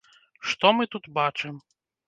Што мы тут бачым?